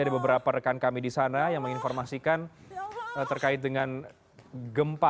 ada beberapa rekan kami di sana yang menginformasikan terkait dengan gempa